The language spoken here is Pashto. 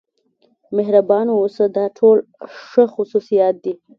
مهربان اوسه دا ټول ښه خصوصیات دي.